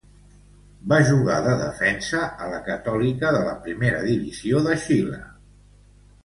Va jugar de defensa a la Catòlica de la Primera Divisió de Xile.